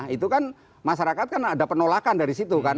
itu kan masyarakat kan ada penolakan dari situ kan